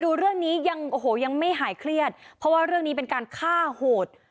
ดูเรื่องนี้ยังโอ้โหยังไม่หายเครียดเพราะว่าเรื่องนี้เป็นการฆ่าโหด